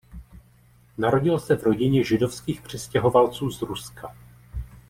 Narodil se v rodině židovských přistěhovalců z Ruska.